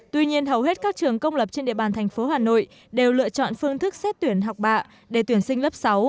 tuy nhiên hầu hết các trường công lập trên địa bàn thành phố hà nội đều lựa chọn phương thức xét tuyển học bạ để tuyển sinh lớp sáu